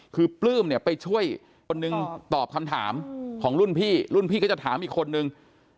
คือปลื้มเนี่ยไปช่วยคนหนึ่งตอบคำถามของรุ่นพี่รุ่นพี่ก็จะถามอีกคนนึง